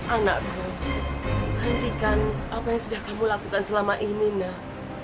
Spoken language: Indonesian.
anakku hentikan apa yang sudah kamu lakukan selama ini nak